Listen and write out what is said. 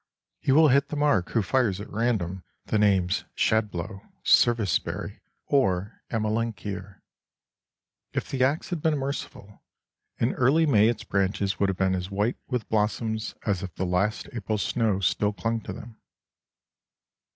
He will hit the mark who fires at random the names "shadblow," "service berry," or "amelanchier." If the axe had been merciful, in early May its branches would have been as white with blossoms as if the last April snow still clung to them.